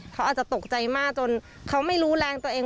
เขาอาจจะตกใจมากจนเขาไม่รู้แรงตัวเอง